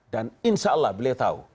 dan insya allah beliau tahu